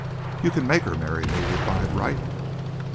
"You can make her marry me," replied Wright.